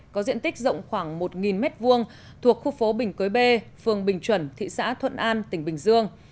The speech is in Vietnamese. có diện tích rộng khoảng một m hai thuộc khu phố bình quế b phường bình chuẩn thị xã thuận an tỉnh bình dương